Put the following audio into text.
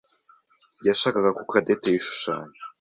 yashakaga ko Cadette yishushanya.